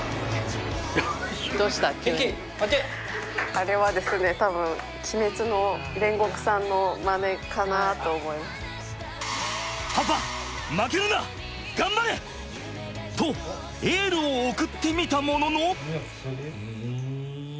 あれはですね多分パパ！とエールを送ってみたものの。